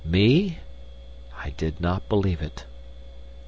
Me? I did not believe it.